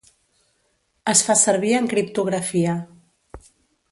Es fa servir en criptografia.